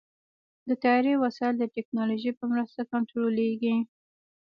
د طیارې وسایل د ټیکنالوژۍ په مرسته کنټرولېږي.